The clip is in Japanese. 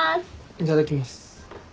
いただきます。